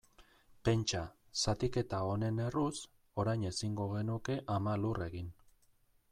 Pentsa, zatiketa honen erruz, orain ezingo genuke Ama Lur egin.